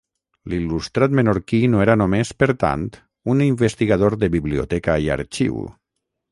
L'il·lustrat menorquí no era només, per tant, un investigador de biblioteca i arxiu.